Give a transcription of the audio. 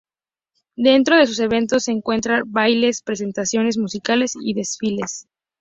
Dentro de sus eventos se encuentran bailes, presentaciones musicales y desfiles.